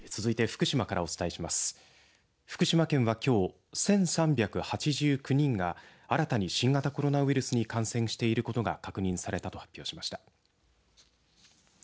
福島県はきょう１３８９人が新たに新型コロナウイルスに感染していることが確認されたと発表しました。